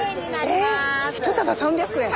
え１束３００円？